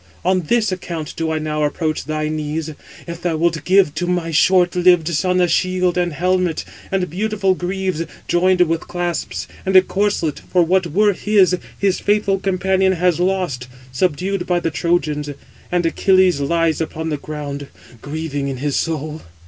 On this account do I now approach thy knees, if thou wilt give to my short lived son a shield and helmet, and beautiful greaves, joined with clasps, and a corslet: for what were his, his faithful companion has lost, subdued by the Trojans; and he (Achilles) lies upon the ground, grieving in his soul."